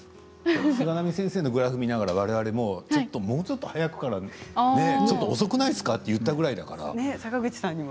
菅波先生のグラフを見ながら、もうちょっと早くから遅くないですか？と言ったぐらいですから。